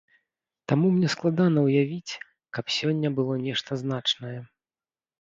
Таму мне складана ўявіць, каб сёння было нешта значнае.